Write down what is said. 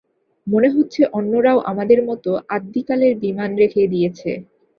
মনে হচ্ছে অন্যরাও আমাদের মতো আদ্যিকালের বিমান রেখে দিয়েছে।